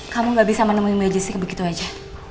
kamu gak bisa menemuin mbak jessica begitu aja